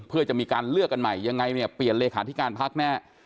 เพื่อจะมีการเลือกกันใหม่ยังไงเนี่ยเปลี่ยนเลขาธิการพักแน่